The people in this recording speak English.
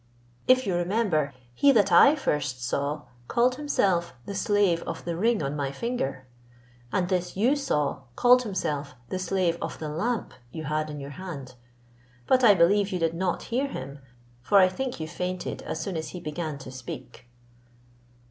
If you remember, he that I first saw, called himself the slave of the ring on my finger; and this you saw, called himself the slave of the lamp you had in your hand: but I believe you did not hear him, for I think you fainted as soon as he began to speak."